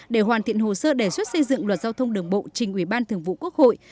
để hoàn thiện hồ sơ đề xuất xây dựng luật giao thông đường bộ trình ủy ban thường vụ quốc hội